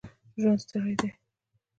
ژوند ستړی دی